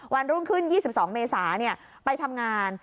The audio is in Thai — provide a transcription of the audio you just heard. วันรุ่งขึ้น๒๒เมษาไปทำงาน